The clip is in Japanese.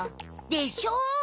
でしょう？